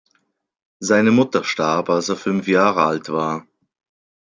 Seine Mutter starb, als er fünf Jahre alt war.